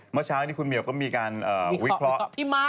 เมื่อเช้านี้คุณเหมียวก็มีการวิเคราะห์